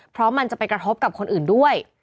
เพราะมันจะไปกระทบกับคนอื่นด้วย